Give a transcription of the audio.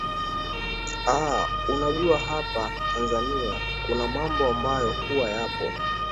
aa unajua hapa tanzania kuna mambo ambayo huwa yapo